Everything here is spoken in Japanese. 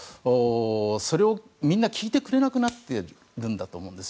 それをみんな聞いてくれなくなっているんだと思います。